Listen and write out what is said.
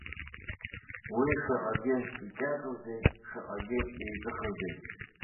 Уи шаҟагьы икьаҿузеи, шаҟагьы еиҵыхузеи.